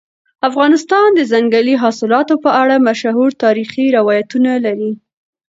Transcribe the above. افغانستان د ځنګلي حاصلاتو په اړه مشهور تاریخي روایتونه لري.